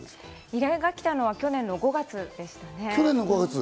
依頼が来たのは去年の５月でしたね。